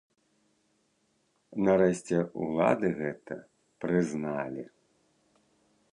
Нарэшце, улады гэта прызналі.